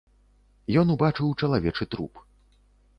Ён убачыў чалавечы труп.